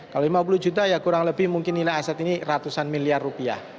kalau lima puluh juta ya kurang lebih mungkin nilai aset ini ratusan miliar rupiah